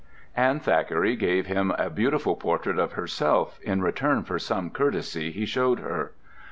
Arme Thackeray gave him a beautiful portrait of herself in return for some courtesy he showed her.